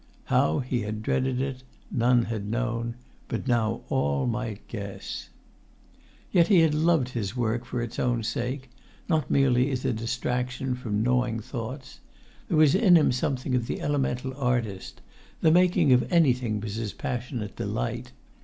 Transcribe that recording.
How he had dreaded it none had known, but now all might guess. Yet he had loved his work for its own sake, not merely as a distraction from gnawing thoughts; there was in him something of the elemental artist: the making of anything was his passionate delight.